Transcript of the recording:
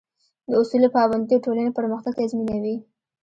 د اصولو پابندي د ټولنې پرمختګ تضمینوي.